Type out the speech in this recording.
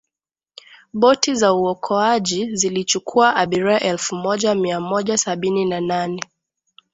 boti za uokoaji zilichukua abiria elfu moja mia moja sabini na nane